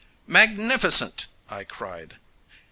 "Magnificent!" I cried.